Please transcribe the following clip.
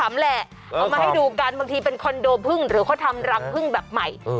เอามาให้ดูกันบางทีเป็นคอนโดพึ่งหรือเขาทำรังพึ่งแบบใหม่